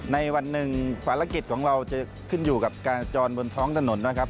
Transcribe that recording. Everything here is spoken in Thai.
ในวันหนึ่งภารกิจของเราจะขึ้นอยู่กับการจรบนท้องถนนนะครับ